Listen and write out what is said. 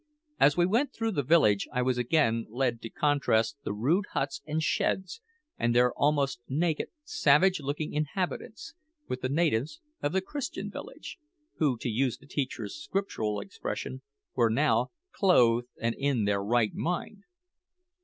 As we went through the village I was again led to contrast the rude huts and sheds, and their almost naked, savage looking inhabitants, with the natives of the Christian village, who, to use the teacher's scriptural expression, were now "clothed and in their right mind."